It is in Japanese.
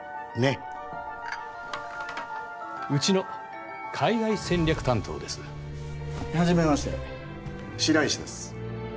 えうちの海外戦略担当ですはじめまして白石です